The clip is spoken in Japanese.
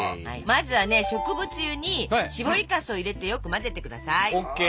まずはね植物油にしぼりかすを入れてよく混ぜて下さい。